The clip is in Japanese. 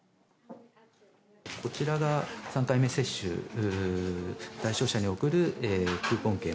こちらが３回目接種対象者に送るクーポン券。